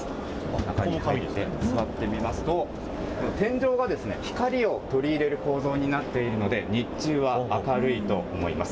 中に入って座ってみますと、天井が光を取り入れる構造になっているので、日中は明るいと思います。